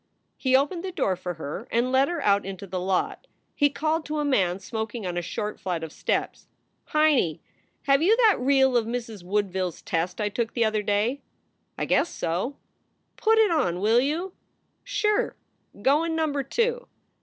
He opened the door for her and led her out into the lot. He called to a man smoking on a short flight of steps : "Heinie, have you that reel of Mrs. Woodville s test I took the other day?" "I guess so." " Put it on, will you." "Sure ! Go in Number Two."